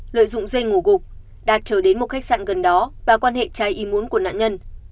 lợi dụng dê ngủ gục đạt trở đến một khách sạn gần đó và quan hệ trái im muốn của nạn nhân